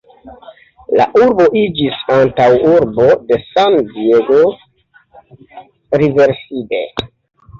La urbo iĝis antaŭurbo de San-Diego, Riverside.